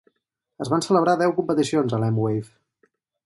Es van celebrar deu competicions al M-Wave.